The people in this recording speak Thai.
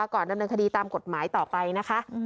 ก่อนดำเนินคดีตามกฎหมายต่อไปนะคะ